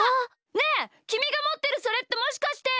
ねえきみがもってるそれってもしかして！